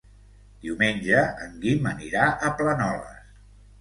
Diumenge en Guim anirà a Planoles.